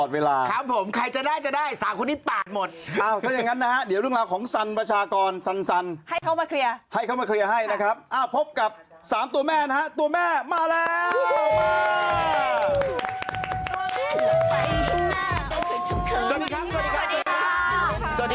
เวลาครับผมใครจะได้จะได้สามคนที่ปากหมดก็อย่างงั้นนะเดี๋ยวเรื่องราวของสันประชากรสั้นให้เขามาเคลียร์ให้เขามาเคลียร์ให้นะครับอ่าพบกับสามตัวแม่นะตัวแม่มาแล้ว